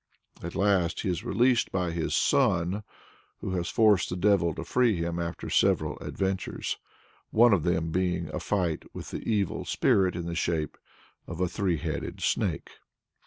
At last he is released by his son, who has forced the devil to free him after several adventures one of them being a fight with the evil spirit in the shape of a three headed snake.